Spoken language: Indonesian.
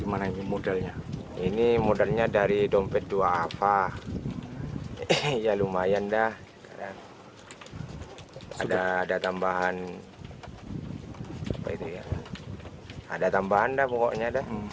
ada tambahan ada tambahan dah pokoknya